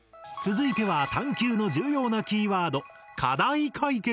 続いては探究の重要なキーワード